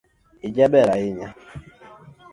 Ijaber ahinya